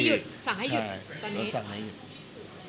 สั่งให้หยุดสั่งให้หยุดตอนนี้